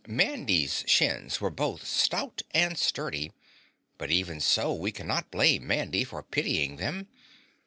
Mandy's shins were both stout and sturdy, but even so we cannot blame Mandy for pitying them.